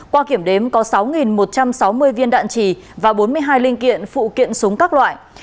qua kiểm đếm có sáu một trăm sáu mươi viên đạn trì và bốn mươi hai linh kiện phụ kiện súng các loại